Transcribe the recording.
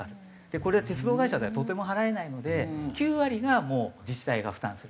これは鉄道会社ではとても払えないので９割がもう自治体が負担する。